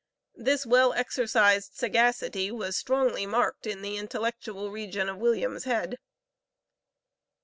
This well exercised sagacity was strongly marked in the intellectual region of William's head.